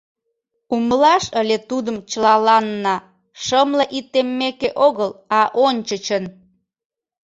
Умылаш ыле тудым чылаланна, шымле ий теммеке огыл, а ончычын.